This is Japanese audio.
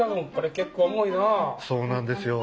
そうなんですよ。